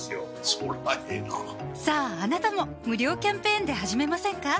そりゃええなさぁあなたも無料キャンペーンで始めませんか？